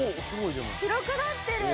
白くなってる！